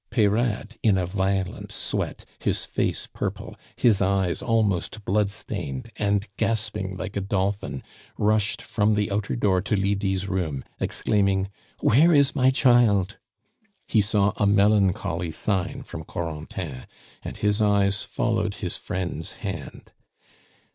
Peyrade, in a violent sweat, his face purple, his eyes almost blood stained, and gasping like a dolphin, rushed from the outer door to Lydie's room, exclaiming: "Where is my child?" He saw a melancholy sign from Corentin, and his eyes followed his friend's hand.